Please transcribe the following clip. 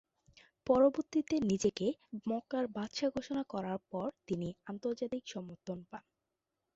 পরবর্তীতে নিজেকে মক্কার বাদশাহ ঘোষণা করার পর তিনি আন্তর্জাতিক সমর্থন পান।